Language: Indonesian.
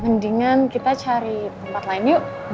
mendingan kita cari tempat lain yuk